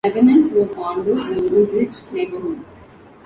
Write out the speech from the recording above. Lebanon, to a condo in the Woodridge neighborhood.